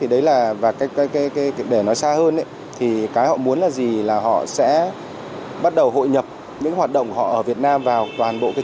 để nói xa hơn thì cái họ muốn là gì là họ sẽ bắt đầu hội nhập những hoạt động họ ở việt nam vào toàn bộ chương trình